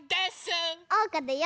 おうかだよ！